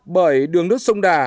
bởi đường đất sông đà